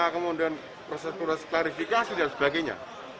kemudian proses proses klarifikasi dan sebagainya